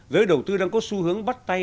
giới đầu tư đang có xu hướng bắt tay